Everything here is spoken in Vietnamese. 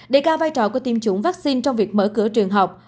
đại ca vai trò của tiêm chủng vaccine trong việc mở cửa trường học